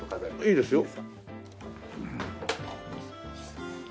いいですよ。